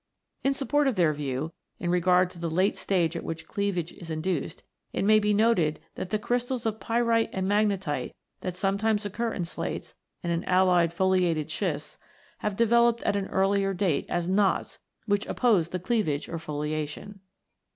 In support of their view, in regard to the late iv] CLAYS, SHALES, AND SLATES 91 stage at which cleavage is induced, it may be noted that the crystals of pyrite and magnetite that some times occur in slates and in the allied foliated schists have developed at an earlier date as knots which oppose the cleavage or the foliation (52).